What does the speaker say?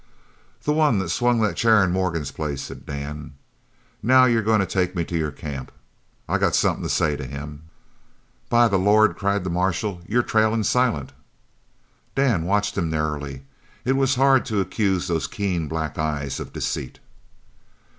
"The one that swung the chair in Morgan's place," said Dan. "Now you're goin' to take me to your camp. I got something to say to him." "By the Lord!" cried the marshal, "you're trailing Silent." Dan watched him narrowly. It was hard to accuse those keen black eyes of deceit.